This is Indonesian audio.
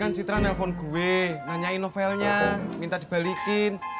tadi kan citra nelpon gue nanyain novelnya minta dibalikin